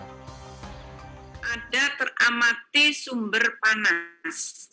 ada teramati sumber panas